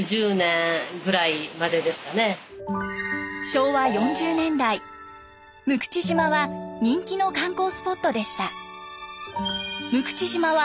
昭和４０年代六口島は人気の観光スポットでした。